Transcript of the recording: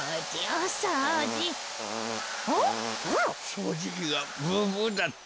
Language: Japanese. そうじきがブブだって。